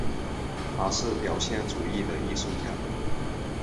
他是表现主义的艺术家。